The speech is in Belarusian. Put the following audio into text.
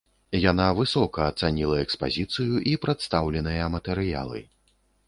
Яна высока ацаніла экспазіцыю і прадстаўленыя матэрыялы.